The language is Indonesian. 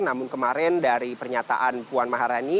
namun kemarin dari pernyataan puan maharani